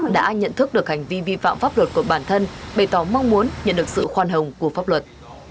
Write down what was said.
đã nhận thức được hành vi vi phạm pháp luật của bản thân bày tỏ mong muốn nhận được sự khoan hồng của pháp luật